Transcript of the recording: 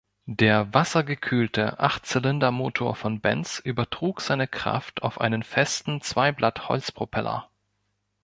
Der wassergekühlte Achtzylinder-Motor von Benz übertrug seine Kraft auf einen festen Zweiblatt-Holzpropeller.